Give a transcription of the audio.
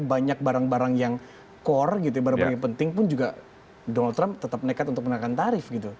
banyak barang barang yang core gitu barang barang yang penting pun juga donald trump tetap nekat untuk menaikkan tarif gitu